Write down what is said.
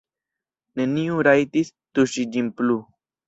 Neniu rajtis tuŝi ĝin plu.